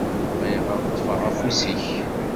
Bɣiɣ ad ṭṭfeɣ afus-ik.